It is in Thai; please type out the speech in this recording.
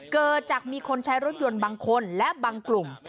เกิดจากมีคนใช้รถยนต์บางคนและบางกลุ่ม